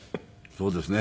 そうですね。